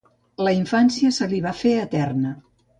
La infància se li va fer eterna.